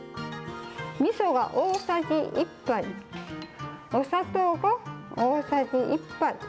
みそが大さじ１杯、お砂糖が大さじ１杯。